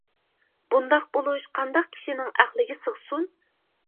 بۇنداق بولۇش قانداق كىشىنىڭ ئەقلىگە سىغسۇن.